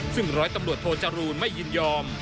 ซึ่งร้อยตำรวจโทจรูลไม่ยินยอม